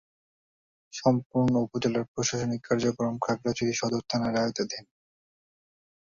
সম্পূর্ণ উপজেলার প্রশাসনিক কার্যক্রম খাগড়াছড়ি সদর থানার আওতাধীন।